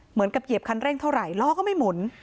เหมือนกับเหยียบคันเร่งเท่าไหร่ล้อก็ไม่หมุน